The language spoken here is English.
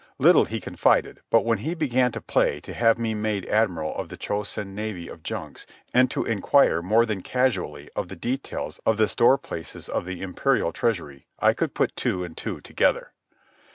Little he confided, but when he began to play to have me made admiral of the Cho Sen navy of junks, and to inquire more than casually of the details of the store places of the imperial treasury, I could put two and two together.